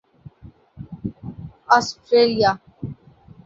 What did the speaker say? Australasia